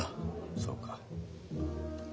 そうか。